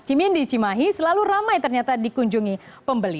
cimindi cimahi selalu ramai ternyata dikunjungi pembeli